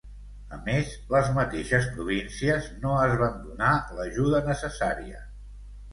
A més, les mateixes províncies no es van donar l'ajuda necessària.